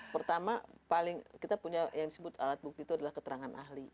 pertama paling kita punya yang disebut alat bukti itu adalah keterangan ahli